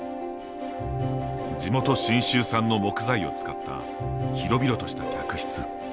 地元信州産の木材を使った広々とした客室。